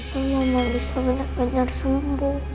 kalo mama bisa benar benar sembuh